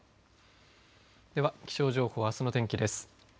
では気象情報あすの天気です。